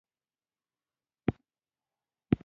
دا ژورنال د زړې ناروېي ژبې څیړنه کوي.